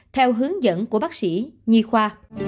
theo hướng dẫn của bác sĩ nhi khoa